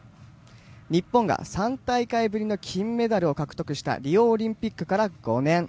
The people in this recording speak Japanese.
日本が３大会ぶりの金メダルを獲得したリオオリンピックから５年。